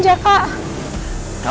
enggak jaka ini aku menuju kesana